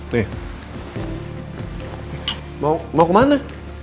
nih mau kemana